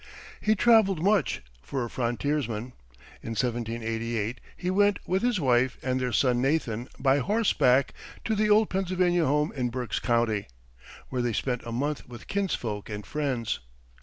He traveled much, for a frontiersman. In 1788 he went with his wife and their son Nathan by horseback to the old Pennsylvania home in Berks County, where they spent a month with kinsfolk and friends.